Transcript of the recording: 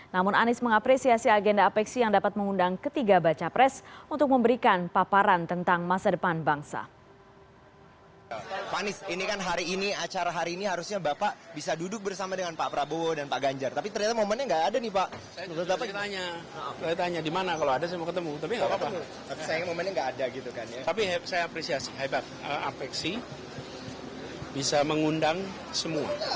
namun anies mengapresiasi agenda apeksi yang dapat mengundang ketiga baca pres untuk memberikan paparan tentang masa depan bangsa